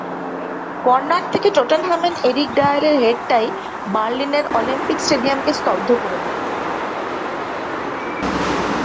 Corner থেকে টটেনহামের Eric ডায়ারের হেডটাই বার্লিনের অলিম্পিক স্টেডিয়ামকে স্তব্ধ করে দেয়।